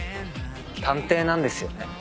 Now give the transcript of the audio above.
探偵なんですよね？